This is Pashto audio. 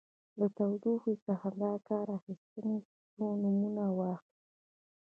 له تودوخې څخه د کار اخیستنې څو نومونه واخلئ.